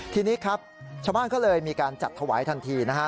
ทีนี้ครับชาวบ้านก็เลยมีการจัดถวายทันทีนะฮะ